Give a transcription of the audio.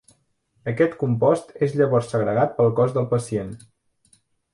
Aquest compost és llavors segregat pel cos del pacient.